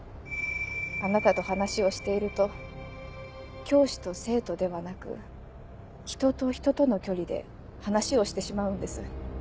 あなたと話をしていると教師と生徒ではなく人と人との距離で話をしてしまうんです。